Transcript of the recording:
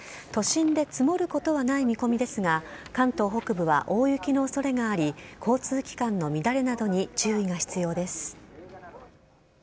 都心で積もることはない見込みですが、関東北部は大雪のおそれがあり、交通機関の乱れなどに注意が必要です。